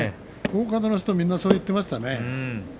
大方の人はそう言ってましたね。